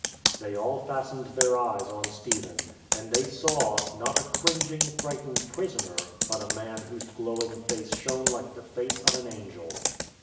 They all fastened their eyes on Stephen. And they saw — not a cringing, frightened prisoner, but a man whose glowing face shone like the face of an angel.